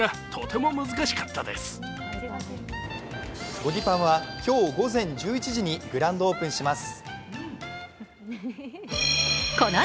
ゴディパンは今日午前１１時にグランドオープンします。